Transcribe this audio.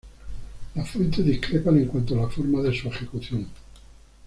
Las fuentes discrepan en cuanto a la forma de su ejecución.